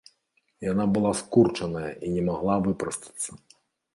Яна была скурчаная і не магла выпрастацца.